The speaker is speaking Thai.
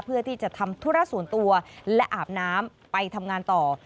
เพื่อที่จะทำธุระส่วนตัวและอาบน้ำไปทำงานต่อ